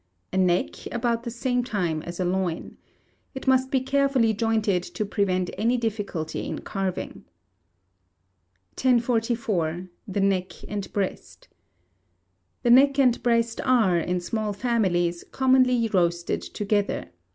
A neck, about the same time as a loin. It must be carefully jointed to prevent any difficulty in carving. 1044. The Neck and Breast. The neck and breast are, in small families, commonly roasted together.